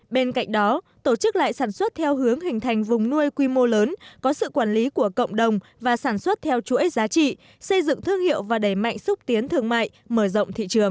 bên cạnh đó tổ chức lại sản xuất theo hướng hình thành vùng nuôi quy mô lớn có sự quản lý của cộng đồng và sản xuất theo chuỗi giá trị xây dựng thương hiệu và đẩy mạnh xúc tiến thương mại mở rộng thị trường